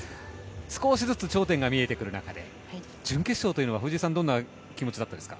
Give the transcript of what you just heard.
少しずつ頂点が見えてくる中で準決勝というのは、藤井さんどんな気持ちでしたか？